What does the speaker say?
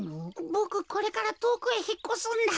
ボクこれからとおくへひっこすんだ。